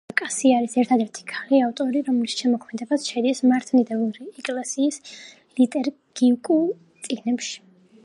ასევე კასია არის ერთადერთი ქალი ავტორი, რომლის შემოქმედებაც შედის მართლმადიდებელი ეკლესიის ლიტურგიკულ წიგნებში.